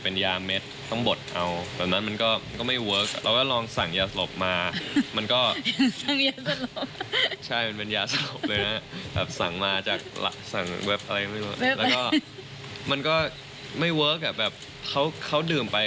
เขาหลับไปแค่แบบครึ่งชั่วโมงอะไรแบบนี้ใช่ไหมพี่